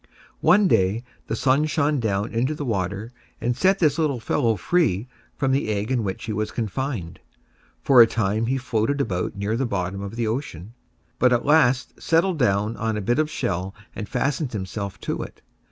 One day, the sun shone down into the water and set this little fellow free from the egg in which he was confined. For a time he floated about near the bottom of the ocean, but at last settled down on a bit of shell, and fastened himself to it.